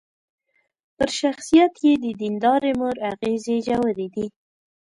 پر شخصيت يې د ديندارې مور اغېزې ژورې دي.